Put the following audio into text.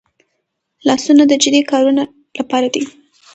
لاسونه د جدي کارونو لپاره دي